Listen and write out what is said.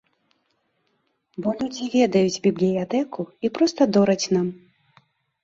Бо людзі ведаюць бібліятэку і проста дораць нам.